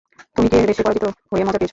তুমি কি রেসে পরাজিত হয়ে, মজা পেয়েছো?